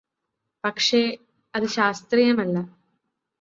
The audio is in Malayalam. പക്ഷെ അത് ശാസ്ത്രീയമല്ല